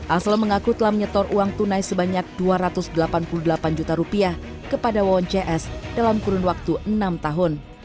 aslo mengaku telah menyetor uang tunai sebanyak dua ratus delapan puluh delapan juta rupiah kepada wawon cs dalam kurun waktu enam tahun